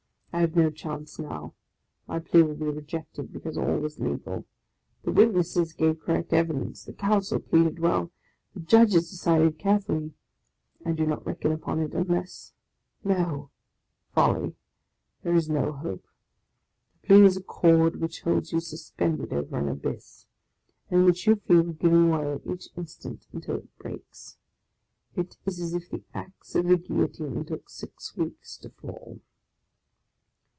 I have no chance now! My plea will be rejected, because all was legal; the witnesses gave correct evidence, the counsel pleaded well, the Judges decided carefully. I do not reckon upon it, unless — No ! folly; there is no hope. The plea is a cord which holds you suspended over an abyss, and which you feel giving way at each instant until it breaks. It is as if the axe of the Guil lotine took six weeks to fall.